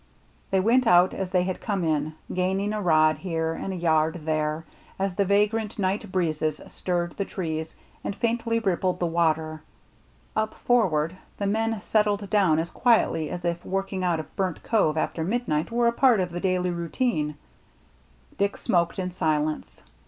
They went out as they had come in, gaining a rod here and a yard there, as the vagrant night breezes stirred the trees and faintly rippled the water. Up forward the men settled down as quietly as if working out of Burnt Cove after midnight were a part of the daily routine. Dick smoked in silence.